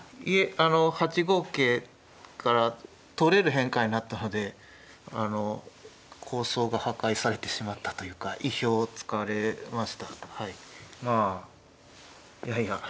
いえあの８五桂から取れる変化になったのであの構想が破壊されてしまったというか意表をつかれましたはい。